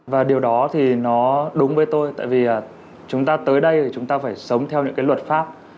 và điều đó thì nó đúng với tôi tại vì chúng ta tới đây chúng ta phải sống theo những cái luật pháp